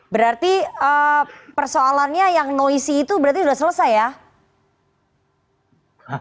berarti persoalannya yang noisy itu berarti udah selesai ya